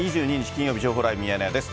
金曜日、情報ライブミヤネ屋です。